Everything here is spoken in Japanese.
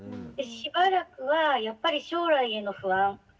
でしばらくはやっぱり将来への不安。